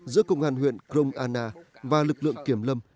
giữa công an huyện krong anna và lực lượng kiểm lâm